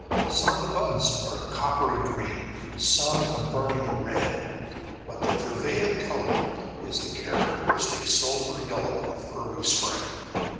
Some of the buds are a coppery green, some a burning red, but the prevailing colour is the characteristic sulphur yellow of early spring.